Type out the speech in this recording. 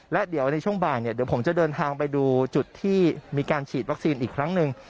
และเดี๋ยวในช่วงบ่ายเนี่ยเดี๋ยวผมจะเดินทางไปดูจุดที่มีการฉีดวัคซีนอีกครั้งหนึ่ง